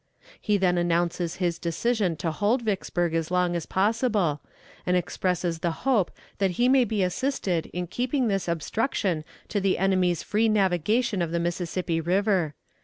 He then announces his decision to hold Vicksburg as long as possible, and expresses the hope that he may be assisted in keeping this obstruction to the enemy's free navigation of the Mississippi River.